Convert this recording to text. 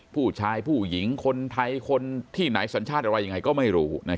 ผู้ชายผู้หญิงคนไทยคนที่ไหนสัญชาติอะไรยังไงก็ไม่รู้นะครับ